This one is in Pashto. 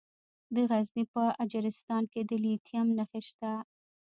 د غزني په اجرستان کې د لیتیم نښې شته.